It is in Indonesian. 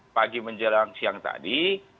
pagi menjelang siang tadi